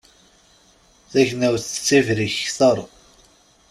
Tagnawt tettibrik kter.